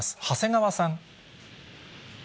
長谷川さん。